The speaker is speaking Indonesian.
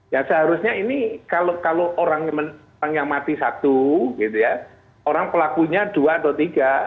ya seharusnya ini kalau orang yang mati satu gitu ya orang pelakunya dua atau tiga